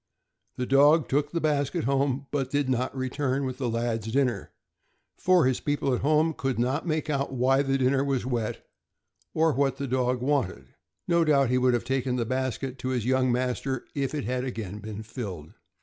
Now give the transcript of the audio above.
The dog took the basket home, but did not return with the lad's dinner, for his people at home could not make out why the dinner was wet, or what the dog wanted. No doubt he would have taken the basket to his young master if it had again been filled.